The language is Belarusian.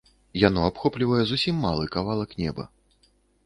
Яно абхоплівае зусім малы кавалак неба.